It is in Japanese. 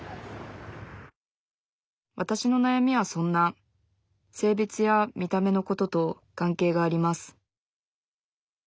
わたしのなやみはそんな性別や見た目のことと関係があります